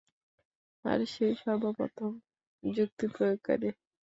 আর সে-ই সর্বপ্রথম যুক্তি প্রয়োগকারী।